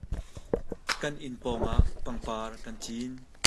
Kan inn pawngah pangpar kan cin.